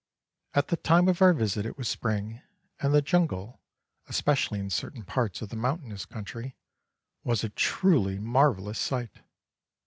At the time of our visit it was spring, and the jungle, especially in certain parts of the mountainous country, was a truly marvellous sight.